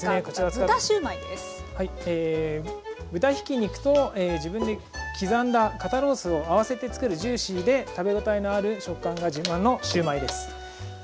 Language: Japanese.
豚ひき肉と自分で刻んだ肩ロースを合わせて作るジューシーで食べ応えのある食感が自慢のシューマイです。